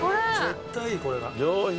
絶対いいこれが。